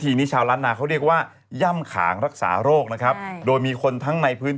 เอาจะไม่ขาวกนาดนั้นล่ะ